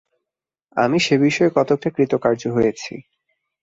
আমি সে বিষয়ে কতকটা কৃতকার্য হয়েছি।